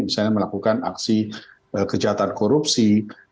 misalnya melakukan aksi kejahatan korupsi